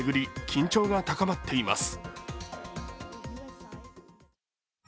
緊張が高まっています。